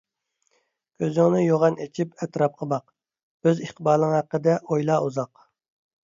كۆزۈڭنى يوغان ئېچىپ ئەتراپقا باق، ئۆز ئىقبالىڭ ھەققىدە ئويلا ئۇزاق.